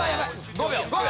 ５秒５秒！